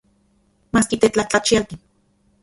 Maski tetlajtlachialti.